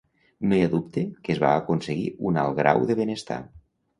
No hi ha dubte que es va aconseguir un alt grau de benestar.